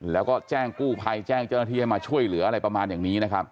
แล้วก็แจ้งกู้ภัยแจ้งเจ้าหน้าที่ให้มาช่วยเหลืออะไรประมาณอย่างนี้นะครับ